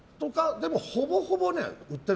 でもほぼほぼ売ってる。